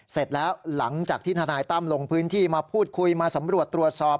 เสร็จแล้วหลังจากที่ทนายตั้มลงพื้นที่มาพูดคุยมาสำรวจตรวจสอบ